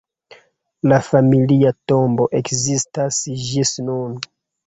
La familia tombo ekzistas ĝis nun.